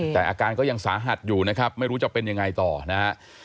แต่อาการก็ยังสาหัสอยู่นะครับไม่รู้จะเป็นยังไงต่อนะฮะ